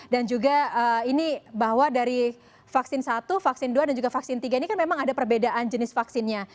dan juga ini bahwa dari vaksin satu vaksin dua dan juga vaksin tiga ini kan memang ada perbedaan jenis vaksinnya